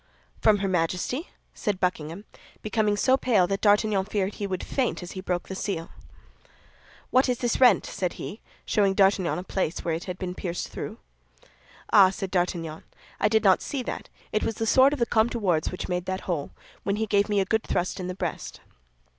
"From her Majesty!" said Buckingham, becoming so pale that D'Artagnan feared he would faint as he broke the seal. "What is this rent?" said he, showing D'Artagnan a place where it had been pierced through. "Ah," said D'Artagnan, "I did not see that; it was the sword of the Comte de Wardes which made that hole, when he gave me a good thrust in the breast."